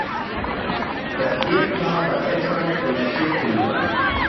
Das Ehepaar war Eltern von vier Kindern.